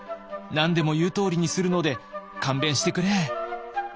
何でも言うとおりにするので勘弁してくれ」。